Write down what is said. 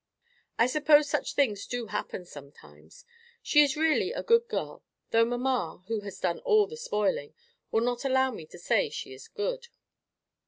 I suppose such things do happen sometimes. She is really a good girl; though mamma, who has done all the spoiling, will not allow me to say she is good."